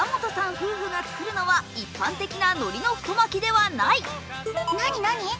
夫婦が作るのは、一般的なのりの太巻きではない。